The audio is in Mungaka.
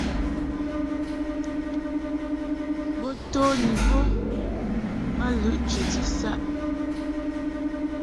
Bo to ni bo ma lɨʼ chəti saʼ.